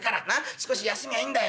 少し休みゃいいんだよ。